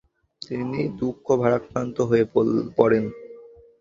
তিনি দুঃখ ভারাক্রান্ত হয়ে পড়েন।